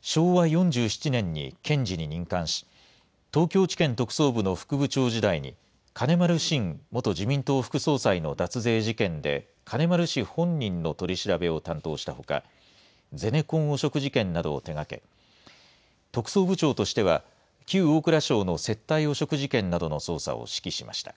昭和４７年に検事に任官し、東京地検特捜部の副部長時代に、金丸信元自民党副総裁の脱税事件で、金丸氏本人の取り調べを担当したほか、ゼネコン汚職事件などを手がけ、特捜部長としては、旧大蔵省の接待汚職事件などの捜査を指揮しました。